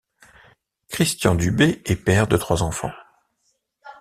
Christian Dubé est père de trois enfants.